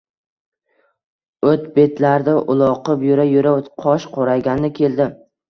O‘t-betlarda uloqib yura-yura qosh qorayganda keldim.